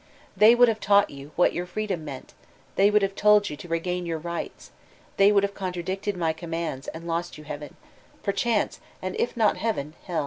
They would have taught you what your freedom meant ; they would have told you to r^ain your rights; they would have contradicted my commands and lost you heaven, perchance— and if not heaven, heO.